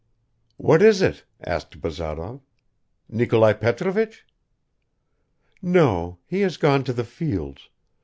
"What is it?" asked Bazarov. "Nikolai Petrovich?" "No he has gone to the fields